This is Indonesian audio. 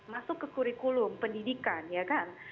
masuk ke kurikulum pendidikan ya kan